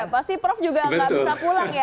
pasti prof juga nggak bisa pulang ya